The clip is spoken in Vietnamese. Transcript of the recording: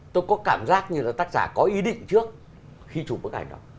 tôi có cảm giác như là tác giả có ý định trước khi chụp bức ảnh đó